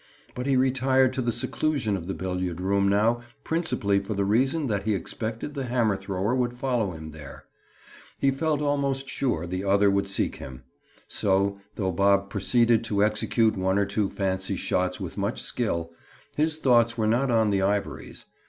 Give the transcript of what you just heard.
But he retired to the seclusion of the billiard room now principally for the reason that he expected the hammer thrower would follow him there. He felt almost sure the other would seek him. So, though Bob proceeded to execute one or two fancy shots with much skill, his thoughts were not on the ivories.